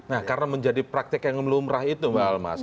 nah karena menjadi praktik yang lumrah itu mbak almas